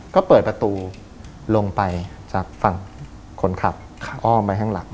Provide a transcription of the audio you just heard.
ก็เปิดประตูลงไปจากฝั่งคนขับอ้อมไปข้างหลัง